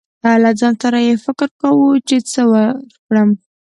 له ځان سره يې فکر کو، چې څه ورکړم.